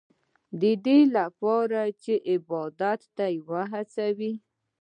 دا لپاره چې عبادت ته هڅوي.